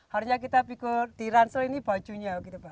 harusnya kita pikir di ransel ini bajunya gitu pak